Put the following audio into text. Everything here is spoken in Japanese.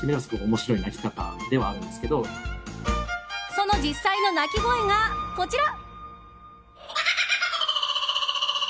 その実際の鳴き声がこちら。